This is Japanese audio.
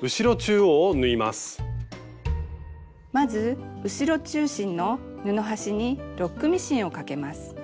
まず後ろ中心の布端にロックミシンをかけます。